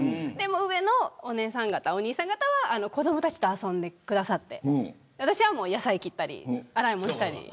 上のお姉さん、お兄さん方は子どもたちと遊んでくださって私は野菜を切ったり洗い物をしたり。